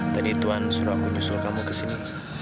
tadi tuhan suruh aku nyusul kamu kesini